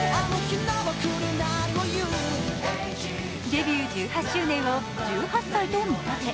デビュー１８周年を１８歳と見立て